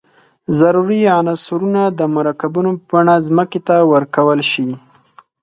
ضروري عنصرونه د مرکبونو په بڼه ځمکې ته ورکول شي.